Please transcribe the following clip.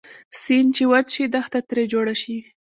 سیند چې وچ شي دښته تري جوړه شي